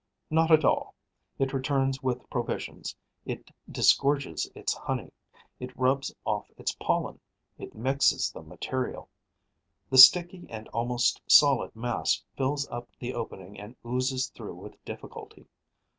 Not at all. It returns with provisions, it disgorges its honey, it rubs off its pollen, it mixes the material. The sticky and almost solid mass fills up the opening and oozes through with difficulty.